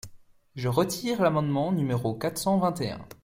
Je retire l’amendement numéro quatre cent vingt et un.